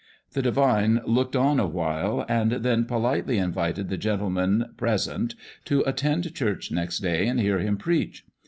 The divine looked on awhile, and then politely invited the gentlemen present to attend church next day and hear him preach.